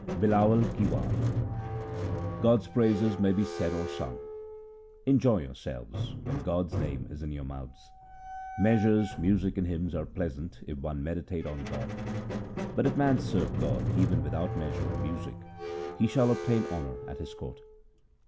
Bilawal 1 ki War God's praises may be said or sung :— Enjoy yourselves when God's name is in your mouths. 2 Measures, music, and hymns are pleasant if one meditate on God ; But if man serve God even without measures and music, he shall obtain honour at His court.